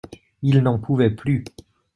Il n'en pouvait plus.